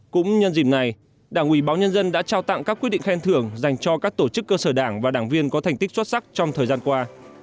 cũng nhân dìm này đảng ubnd đã trao tặng các quyết định khen thưởng dành cho các tổ chức cơ sở đảng và đảng viên có thành tích xuất sắc trong thời gian qua